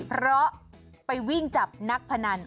เพราะไปวิ่งจับนักพนัน